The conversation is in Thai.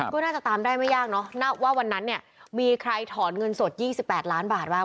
ก็น่าจะตามได้ไม่ยากเนอะว่าวันนั้นเนี่ยมีใครถอนเงินสด๒๘ล้านบาทบ้าง